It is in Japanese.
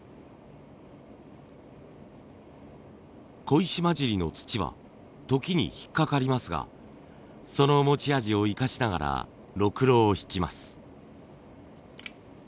小石混じりの土は時に引っ掛かりますがその持ち味を生かしながらロクロをひきます。